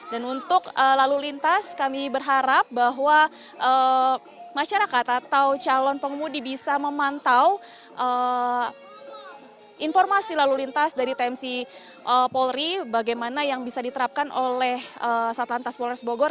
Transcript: dan untuk lalu lintas kami berharap bahwa masyarakat atau calon pengumudi bisa memantau informasi lalu lintas dari tmc polri bagaimana yang bisa diterapkan oleh satuan tas polres bogor